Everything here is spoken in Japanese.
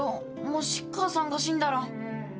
もし母さんが死んだら。